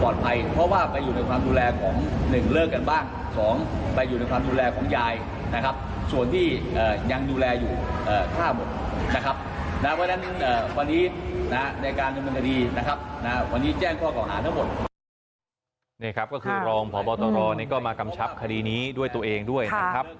นี่ครับก็คือรองพบตรก็มากำชับคดีนี้ด้วยตัวเองด้วยนะครับ